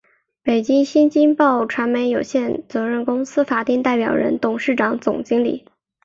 北京新京报传媒有限责任公司法定代表人、董事长、总经理